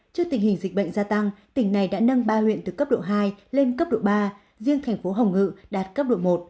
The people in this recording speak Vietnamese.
trước tình hình dịch bệnh gia tăng tỉnh này đã nâng ba huyện từ cấp độ hai lên cấp độ ba riêng thành phố hồng ngự đạt cấp độ một